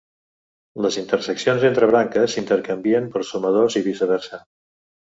Les interseccions entre branques s'intercanvien per sumadors i viceversa.